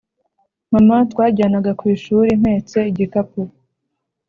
mama twajyanaga kwishuri mpetse igikapu